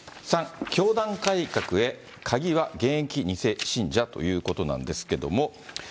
３、教団改革へ、鍵は現役２世信者ということなんですけれども。